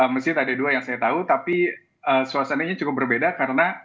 masjid ada dua yang saya tahu tapi suasananya cukup berbeda karena